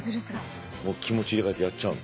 もう気持ち入れ替えてやっちゃうの？